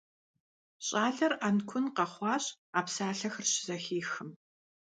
ЩӀалэр Ӏэнкун къэхъуащ, а псалъэхэр щызэхихым.